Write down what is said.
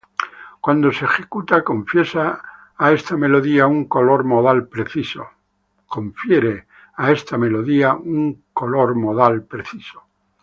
Cuando se ejecuta, confiere a esta melodía un color modal preciso.